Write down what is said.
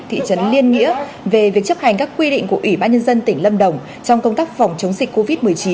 thị trấn liên nghĩa về việc chấp hành các quy định của ủy ban nhân dân tỉnh lâm đồng trong công tác phòng chống dịch covid một mươi chín